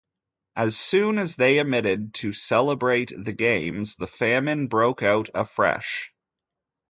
As soon as they omitted to celebrate the games, the famine broke out afresh.